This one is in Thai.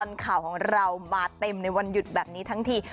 ข่าวของเรามาเต็มในวันหยุดแบบนี้ทั้งที